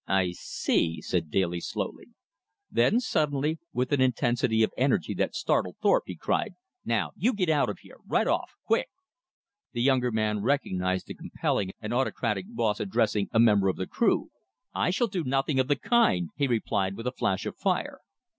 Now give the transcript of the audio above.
"I see," said Daly slowly. Then suddenly, with an intensity of energy that startled Thorpe, he cried: "Now you get out of here! Right off! Quick!" The younger man recognized the compelling and autocratic boss addressing a member of the crew. "I shall do nothing of the kind!" he replied with a flash of fire.